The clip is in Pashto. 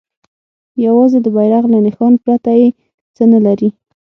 یوازې د بیرغ له نښان پرته یې څه نه لري.